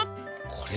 これ？